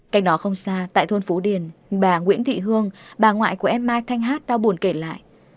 cách đó không xa tại thôn phú điền bà nguyễn thị hương bà ngoại của em mai thanh hát đau buồn kể lại